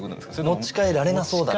持ち帰られなそうだ。